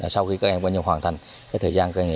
sau khi các em hoàn thành thời gian